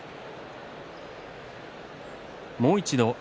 もう一度。